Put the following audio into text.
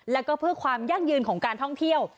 แล้วก็เพื่อความยั่งยืนของการท่องเที่ยว